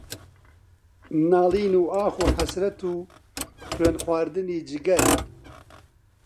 ناڵین و ئاخ و حەسرەت و خوێنخواردنی جگەر